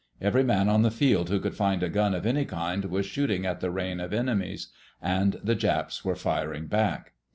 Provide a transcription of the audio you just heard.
Every man on the field who could find a gun of any kind was shooting at the rain of enemies. And the Japs were firing back.